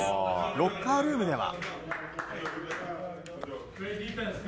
ロッカールームでは。